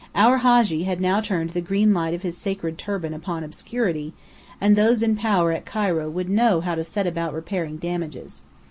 Our Hadji had now turned the green light of his sacred turban upon obscurity, and those in power at Cairo would know how to set about repairing damages.